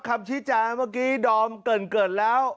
คำชี้แจงเมื่อกี้ดอมเกิดแล้ว